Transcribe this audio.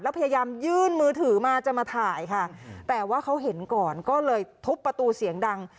แล้วพยายามยื่นมือถือมาจะมาถ่ายค่ะแต่ว่าเขาเห็นก่อนก็เลยทุบประตูเสียงดัง